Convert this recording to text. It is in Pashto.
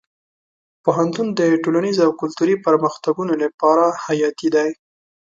پوهنتون د ټولنیزو او کلتوري پرمختګونو لپاره حیاتي دی.